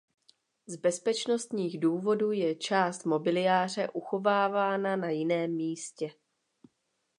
Z bezpečnostních důvodů je část mobiliáře uchovávána na jiném místě.